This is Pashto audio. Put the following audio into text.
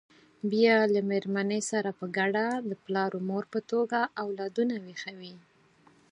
بیا له مېرمنې سره په ګډه د پلار او مور په توګه اولادونه ویښوي.